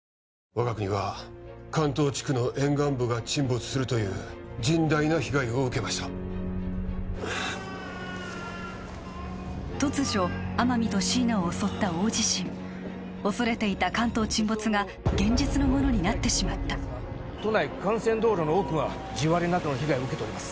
我が国は関東地区の沿岸部が沈没するという甚大な被害を受けました突如天海と椎名を襲った大地震恐れていた関東沈没が現実のものになってしまった都内幹線道路の多くは地割れなどの被害を受けております